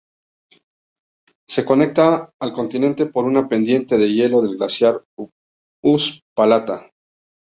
Se conecta al continente por una pendiente de hielo del glaciar Uspallata.